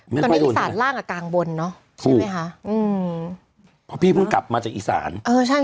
ตอนนี้อีสานล่างอ่ะกลางบนเนอะใช่ไหมคะอืมเพราะพี่เพิ่งกลับมาจากอีสานเออใช่